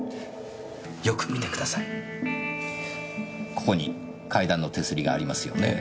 ここに階段の手すりがありますよね。